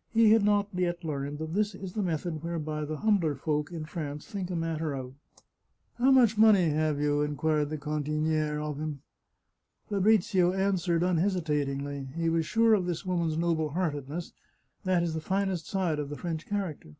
" He had not yet learned that this is the method whereby the humbler folk in France think a matter out. " How much money have you ?" inquired the cantiniere of him. Fabrizio answered unhesitatingly; he was sure of this woman's noble heartedness — that is the finest side of the French character.